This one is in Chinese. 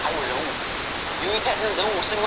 刈羽郡在历史上曾经出现过两次。